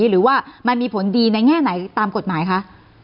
หรือว่ามันมีผลดีในแง่ไหนตามกฎหมายคะ